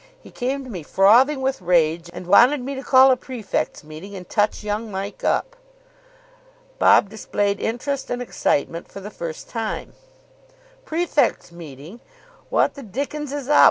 He came to me frothing with rage, and wanted me to call a prefects' meeting and touch young Mike up." Bob displayed interest and excitement for the first time. "Prefects' meeting! What the dickens is up?